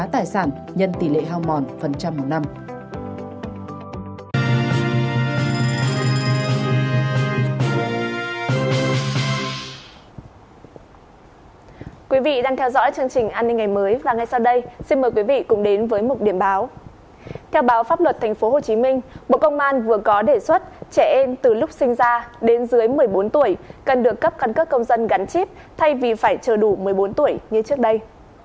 theo báo pháp luật tp hcm bộ công an vừa có đề xuất trẻ em từ lúc sinh ra đến dưới một mươi bốn tuổi cần được cấp căn cước công dân gắn chip thay vì phải chờ đủ một mươi bốn tuổi như trước đây